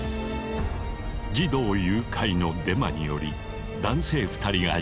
児童誘拐のデマにより男性２人が焼き殺された。